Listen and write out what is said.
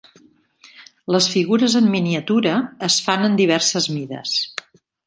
Les figures en miniatura es fan en diverses mides.